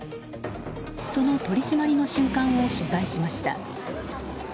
その取り締まりの瞬間を取材しました。